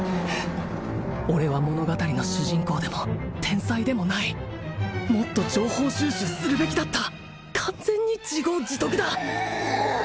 俺は物語の主人公でも天才でもないもっと情報収集するべきだった完全に自業自得だ